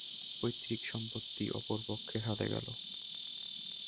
পৈতৃক সম্পত্তি অপর পক্ষের হাতে গেল।